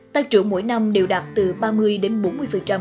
tăng trưởng mỗi năm đều đạt từ ba mươi đến bốn mươi